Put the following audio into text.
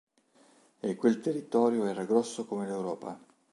E quel territorio era grosso come l'Europa.